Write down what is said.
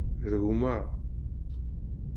D gma.